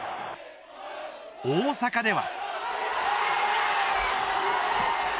大阪では。